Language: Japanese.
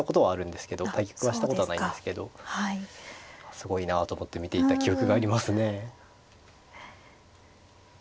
すごいなと思って見ていた記憶がありますね。